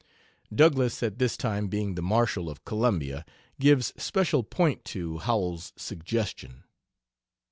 Douglass at this time being the Marshal of Columbia, gives special point to Howells's suggestion.